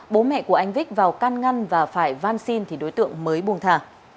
bố mẹ của anh vích vào căn ngăn và phải văn xin thì đối tượng mới buông thả